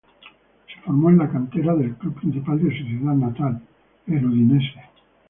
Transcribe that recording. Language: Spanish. Se formó en la cantera del club principal de su ciudad natal, el Udinese.